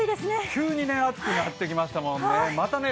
急に暑くなってきましたもんね。